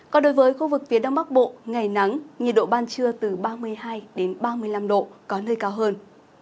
còn đối với khu vực phía đông bắc bộ ngày nắng nhiệt độ ban trưa từ ba mươi hai ba mươi năm độ có nơi cao hơn